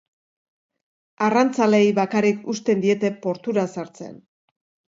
Arrantzaleei bakarrik uzten diete portura sartzen.